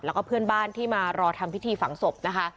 แล้วก็เพื่อนบ้านที่มารอทำพิธีฝังศพนะคะ